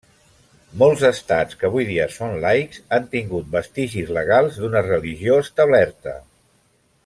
Molts Estats que avui dia són laics, han tingut vestigis legals d'una religió establerta.